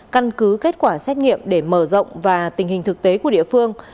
căn cứ kết quả xét nghiệm để mở rộng và tình hình thực tế của địa phương